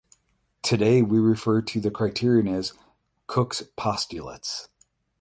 Today we refer to that criterion as Koch’s postulates.